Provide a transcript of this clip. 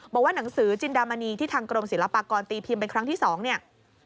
บอกว่าหนังสือจินดามณีที่ทางกรมศิลปากรตีพิมพ์เป็นครั้งที่๒เนี่ย